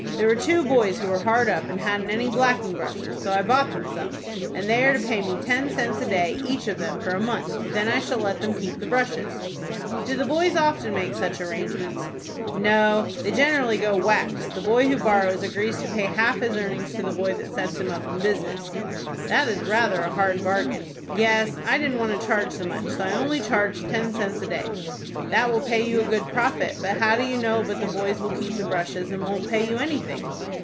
There were two boys who were hard up, and hadn't any blacking brushes; so I bought them some, and they are to pay me ten cents a day, each of them, for a month, then I shall let them keep the brushes." "Do the boys often make such arrangements?" "No, they generally go whacks. The boy who borrows agrees to pay half his earnings to the boy that sets him up in business." "That is rather a hard bargain." "Yes, I didn't want to charge so much. So I only charged ten cents a day." "That will pay you a good profit; but how do you know but the boys will keep the brushes, and won't pay you anything?"